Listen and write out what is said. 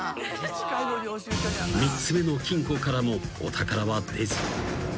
［３つ目の金庫からもお宝は出ず］